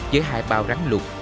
với hai bao rắn lục